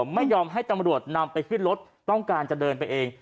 ไม่ยอมให้ตำรวจนำไปขึ้นรถต้องการจะเดินไปเอง